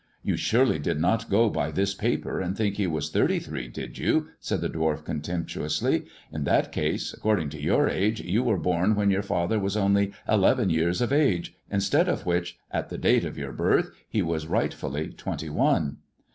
" You surely did not go by this paper and think he was thirty three, did you?" said the dwarf contemptuously; " in that case, according to your age, you were born when your father was only eleven years of age, instead of which, at the date of your birth he was rightfully twenty one."